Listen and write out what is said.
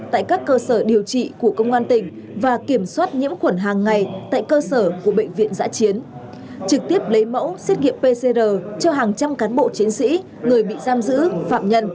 tại các cơ sở điều trị của công an tỉnh và kiểm soát nhiễm khuẩn hàng ngày tại cơ sở của bệnh viện giã chiến trực tiếp lấy mẫu xét nghiệm pcr cho hàng trăm cán bộ chiến sĩ người bị giam giữ phạm nhân